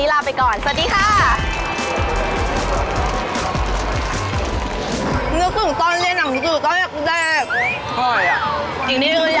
สามารถให้หนูทำถูกเพราะเนี่ย